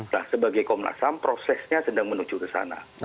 nah sebagai komnas ham prosesnya sedang menuju ke sana